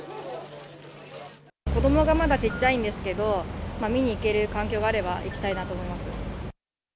子どもがまだちっちゃいんですけど、見に行ける環境があれば、行きたいなと思います。